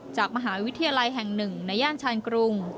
จากมหาวิทยาลัยแห่งหนึ่งในย่านชาญกรุง